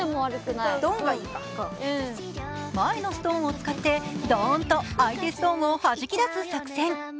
前のストーンを使ってドーンと相手ストーンをはじき出す作戦。